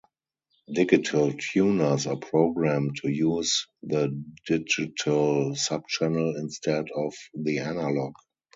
Digital tuners are programmed to use the digital subchannel instead of the analog.